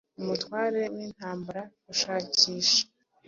Umutware wintambara gushakisha